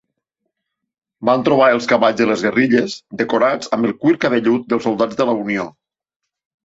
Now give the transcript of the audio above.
Van trobar els cavalls de les guerrilles decorats amb el cuir cabellut dels soldats de la Unió.